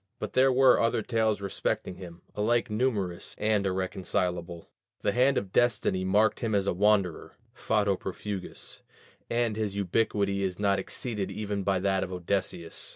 But there were other tales respecting him, alike numerous and irreconcilable: the hand of destiny marked him as a wanderer (fato profugus) and his ubiquity is not exceeded even by that of Odysseus.